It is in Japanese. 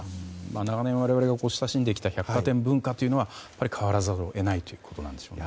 長年、我々が親しんできた百貨店文化というのは変わらざるを得ないということなんでしょうね。